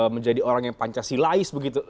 menjadi orang yang pancasilais begitu